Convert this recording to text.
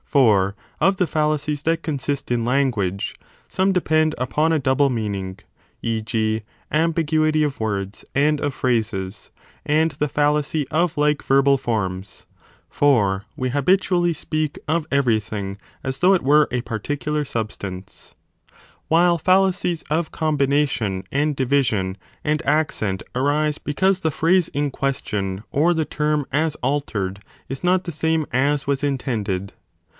For of the fallacies that consist in language, some depend upon a double meaning, e. g. ambiguity of words and of phrases, and the fallacy of like verbal forms (for we habitually speak of 25 everything as though it were a particular substance) while fallacies of combination and division and accent arise because the phrase in question or the term as altered l is not the same as was intended.